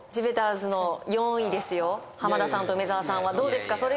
ベターズの４位ですよ浜田さんと梅沢さんはどうですか？